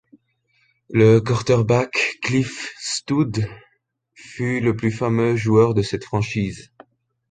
Le quarterback Cliff Stoudt fut le plus fameux joueur de cette franchise.